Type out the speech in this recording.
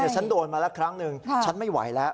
ฉันโดนมาแล้วครั้งหนึ่งฉันไม่ไหวแล้ว